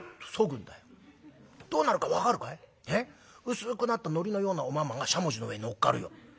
薄くなった糊のようなおまんまがしゃもじの上にのっかるよ。